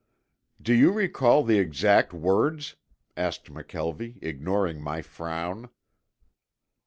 "Do you recall the exact words?" asked McKelvie, ignoring my frown.